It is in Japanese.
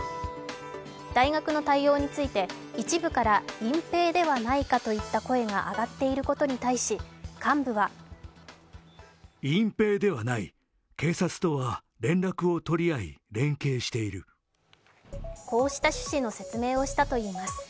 大学の対応について一部から隠蔽ではないかという声があがっていることに対し、幹部はこうした趣旨の説明をしたといいます。